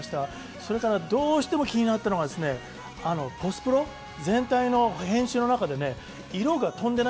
それからどうしても気になったのがポスプロ全体の編集の中で色が飛んでないんですよ。